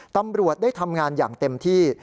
ตำรวจได้ทำงานอย่างเต็มที่